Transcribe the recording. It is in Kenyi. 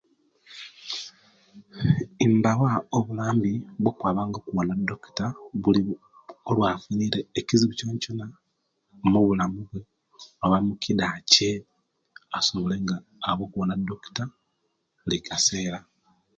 Mbawa obulambi bwokwabanga okuwona odokita buli awafunile ekizibu kyonakyona omubulamu we oba omukida kye asobole nga aaba okuwona odokita buli kaseera